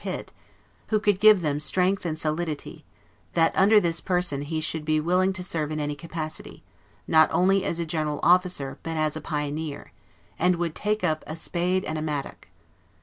PITT who could give them strength and solidity; that, under this person, he should be willing to serve in any capacity, not only as a General Officer, but as a pioneer; and would take up a spade and a mattock."